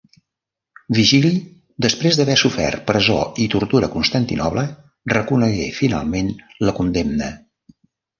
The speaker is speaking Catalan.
Vigili, després d'haver sofert presó i tortura a Constantinoble, reconegué finalment la condemna.